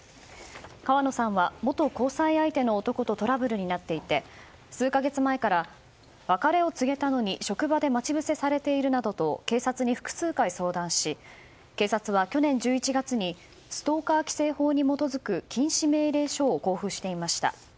川野さんは元交際相手の男とトラブルになっていて数か月前から、別れを告げたのに職場で待ち伏せされているなどと警察に複数回相談し警察は去年１１月にストーカー規制法に基づく禁止命令書を交付していました。